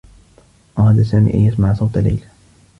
أراد سامي أن يسمع صوت ليلى.